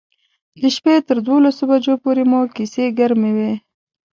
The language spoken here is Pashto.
د شپې تر دولس بجو پورې مو کیسې ګرمې وې.